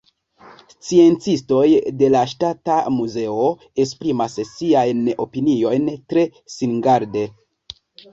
Sciencistoj de la Ŝtata Muzeo esprimas siajn opiniojn tre singarde.